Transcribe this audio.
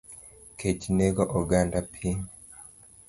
Kech nego oganda piny